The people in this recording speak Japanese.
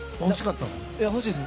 欲しいです。